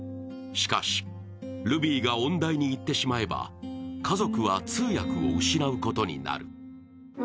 しかし、ルビーが音大に行ってしまえば家族は通訳を失うことになる。